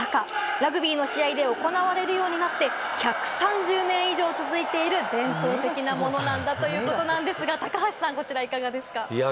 ラグビーの試合で行われるようになって１３０年以上続いている伝統的なものなんだということなんですが、高橋さん、いかがですか？